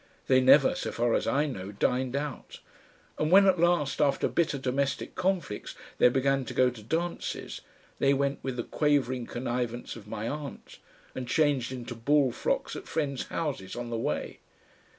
They never, so far as I know, dined out, and when at last after bitter domestic conflicts they began to go to dances, they went with the quavering connivance of my aunt, and changed into ball frocks at friends' houses on the way.